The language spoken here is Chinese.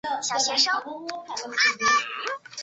韩国政府试图将其引渡回国。